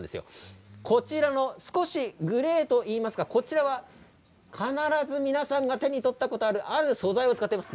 こちらのグレーといいますかこちらは皆さんが必ず手に取ったことがあるある素材を使っています。